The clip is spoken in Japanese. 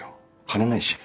金ないし。